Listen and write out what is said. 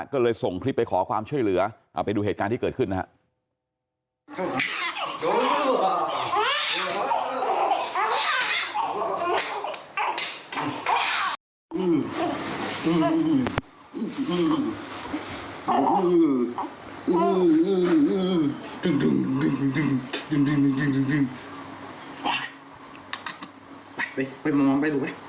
ก็เลยส่งคลิปไปขอความช่วยเหลือเอาไปดูเหตุการณ์ที่เกิดขึ้นนะครับ